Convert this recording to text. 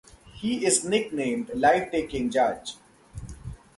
He is nicknamed "Life Taking Judge".